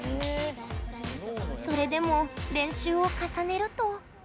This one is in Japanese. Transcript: それでも、練習を重ねると。